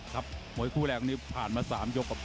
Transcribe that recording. มวยคู่แรกนี้ผ่านมา๓ยกครับ